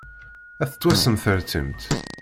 Ad tettwassemsertimt.